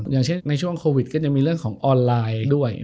อย่างเช่นในช่วงโควิดก็จะมีเรื่องของออนไลน์ด้วย